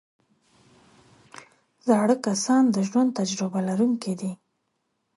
زاړه کسان د ژوند تجربه لرونکي دي